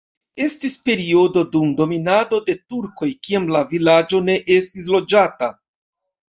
Estis periodo dum dominado de turkoj, kiam la vilaĝo ne estis loĝata.